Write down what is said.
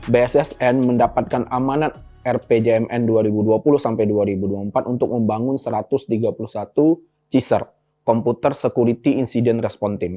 bssn mendapatkan amanat rpjmn dua ribu dua puluh sampai dua ribu dua puluh empat untuk membangun satu ratus tiga puluh satu cheaser komputer security insident response team